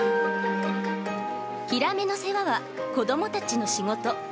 ヒラメの世話は子どもたちの仕事。